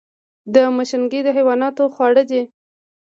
مشګڼې د حیواناتو خواړه دي